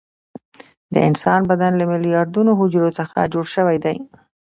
د انسان بدن له میلیارډونو حجرو څخه جوړ شوی دی